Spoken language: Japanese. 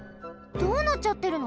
どうなっちゃってるの？